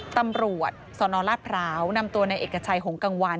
ตำรวจสนราชพร้าวนำตัวในเอกชัยหงกังวัน